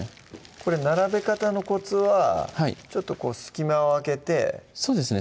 これ並べ方のコツはちょっと隙間を空けてそうですね